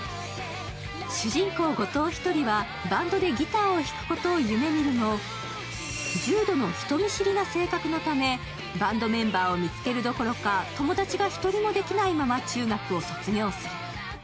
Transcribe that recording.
主人公・後藤ひとりはバンドでギターを弾くことを夢みるも、重度の人見知りな性格のためバンドメンバーを見つけるどころか友達が１人もできないまま中学を卒業する。